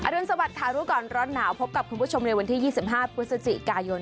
รุนสวัสดิ์รู้ก่อนร้อนหนาวพบกับคุณผู้ชมในวันที่๒๕พฤศจิกายน